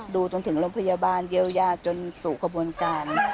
ดูจนถึงโรงพยาบาลเยียวยาจนสู่ขบวนการ